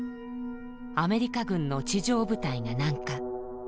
アメリカ軍の地上部隊が南下。